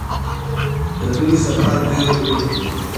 د دوی سفر ډېر اوږد و.